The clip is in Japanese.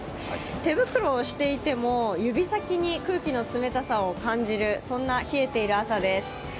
手袋をしていても指先に空気の冷たさを感じるそんな冷えている朝です。